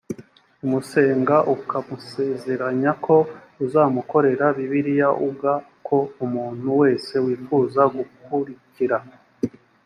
umusenga ukamusezeranya ko uzamukorera bibiliya uga ko umuntu wese wifuza gukurikira